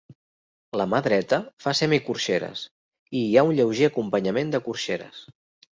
La mà dreta fa semicorxeres i hi ha un lleuger acompanyament de corxeres.